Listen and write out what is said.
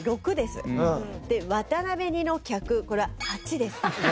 で「渡辺似の客」これは８です。